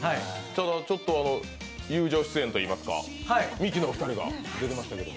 ちょっと友情出演というかミキのお二人が出てましたけど。